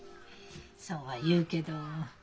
そうは言うけど。